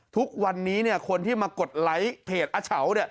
ทุกวันนี้คนที่มากดไลค์เพจอาเฉาเนี่ย